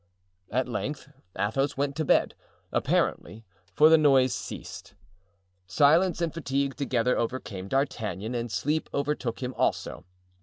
At length Athos went to bed, apparently, for the noise ceased. Silence and fatigue together overcame D'Artagnan and sleep overtook him also.